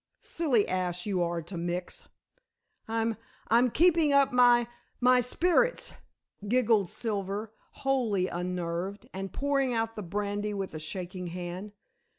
"Silly ass you are to mix." "I'm I'm keeping up my my spirits," giggled Silver, wholly unnerved, and pouring out the brandy with a shaking hand.